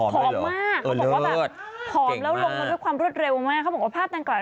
ผอมมากพอบแล้วลงด้วยความรวดเร็วมากว่าพาตังกระดาษ